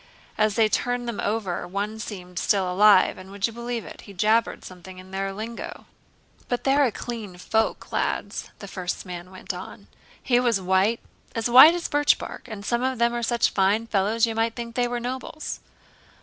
"As they turned them over one seemed still alive and, would you believe it, he jabbered something in their lingo." "But they're a clean folk, lads," the first man went on; "he was white—as white as birchbark—and some of them are such fine fellows, you might think they were nobles."